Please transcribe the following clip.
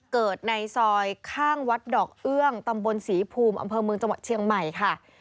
เกิดในซอยข้างวัดดอกเอื้องตำบลศรีภูมิอำเภอเมืองจังหวัดเชียงใหม่ค่ะ